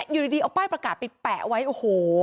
อยู่ดีเอาป้ายประกาศไปแปะไว้โอ้โห